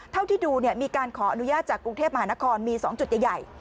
เท่าที่ดูมีการขออนุญาตจากกรุงเทพมหานครมี๒จุดใหญ่